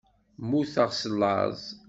Mmuteɣ s laẓ.